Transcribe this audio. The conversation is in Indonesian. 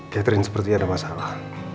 catherine sepertinya ada masalah